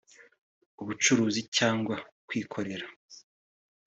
ubucuruzi cyangwa kwikorera